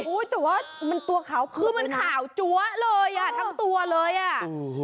โอ้ยแต่ว่ามันตัวเขาคือมันขาวจั๊วเลยอ่ะทั้งตัวเลยอ่ะ